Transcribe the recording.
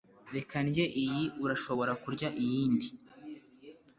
reka ndye iyi urashobora kurya iyindi